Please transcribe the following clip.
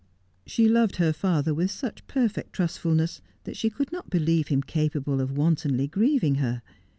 She loved her father with such perfect trustfulness that she could not believe him capable of wantonly grieving her.